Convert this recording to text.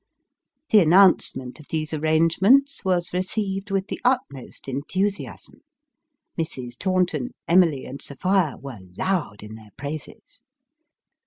" The announcement of these arrangements was received with the utmost enthusiasm. Mrs. Taunton, Emily, and Sophia, were loud in their praises.